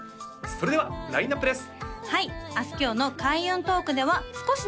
それではラインナップです